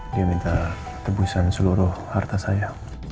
dia minta tebusan seluruh harta saya